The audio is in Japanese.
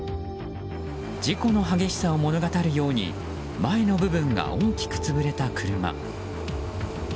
事故の激しさを物語るように前の部分が大きく潰れた車。